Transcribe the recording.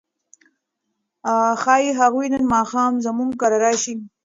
ښايي هغوی نن ماښام زموږ کره راشي.